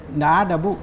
tidak ada bu